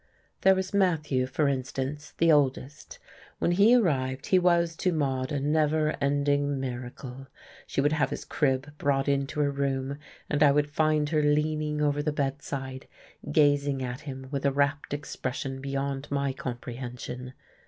There was Matthew, for instance, the oldest. When he arrived, he was to Maude a never ending miracle, she would have his crib brought into her room, and I would find her leaning over the bedside, gazing at him with a rapt expression beyond my comprehension.